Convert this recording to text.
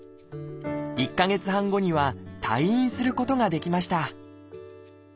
１か月半後には退院することができました。